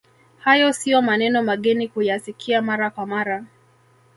Hayo sio maneno mageni kuyasikia mara kwa mara